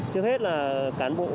trước hết là cán bộ